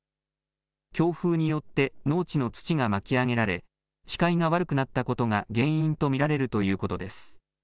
強風によって農地の土が巻き上げられ視界が悪くなったことが原因と見られるということです。